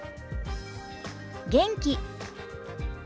元気。